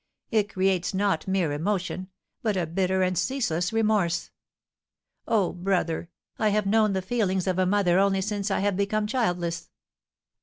It creates not mere emotion, but a bitter and ceaseless remorse. Oh, brother, I have known the feelings of a mother only since I have become childless."